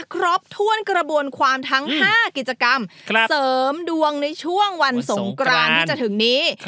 ครบถ้วนกระบวนความทั้ง๕กิจกรรมเสริมดวงในช่วงวันสงกรานที่จะถึงนี้